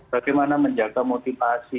bagaimana menjaga motivasi